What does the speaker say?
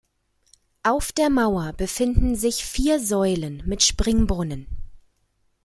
Auf der Mauer befinden sich vier Säulen mit Springbrunnen.